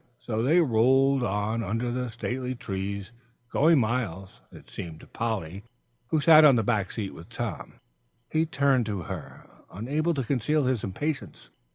So they rolled on under the stately trees, going miles, it seemed to Polly, who sat on the back seat with Tom. He turned to her, unable to conceal his impatience.